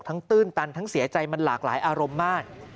ตื้นตันทั้งเสียใจมันหลากหลายอารมณ์มาก